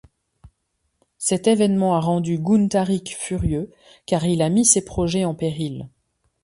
Cet événement a rendu Guntharic furieux, car il a mis ses projets en péril.